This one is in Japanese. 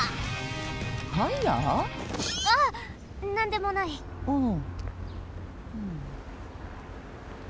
あなんでもない。うん。